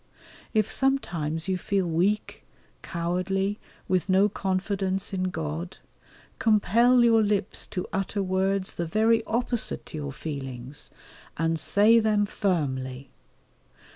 If sometimes you feel weak, cowardly, with no confidence in God, compel your lips to utter words the very opposite to your feelings, and say them firmly.